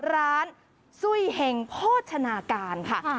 ร้านซุ่ยเห็งโภชนาการค่ะ